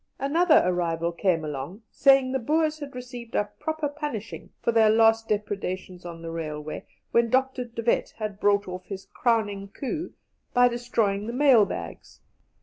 Another arrival came along saying the Boers had received a proper punishing for their last depredations on the railway, when De Wet had brought off his crowning coup by destroying the mail bags.